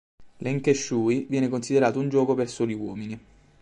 L'Enkeshui viene considerato un gioco per soli uomini.